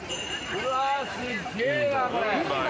うわすっげぇなこれ。